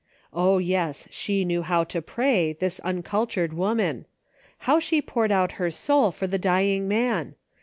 O, yes ! she knew how to pray, this uncultured woman. How she poured out her soul for the dying man